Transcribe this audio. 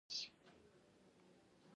افغانستان په غوښې غني دی.